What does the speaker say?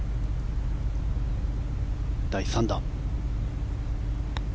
第３打。